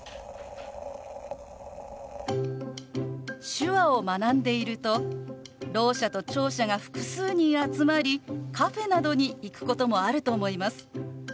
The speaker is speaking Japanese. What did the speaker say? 手話を学んでいるとろう者と聴者が複数人集まりカフェなどに行くこともあると思います。